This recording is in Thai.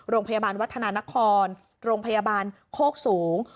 โรงพยาบาลวัฒนานครโรงพยาบาลโคกสูง